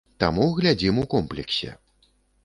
Таму глядзім у комплексе.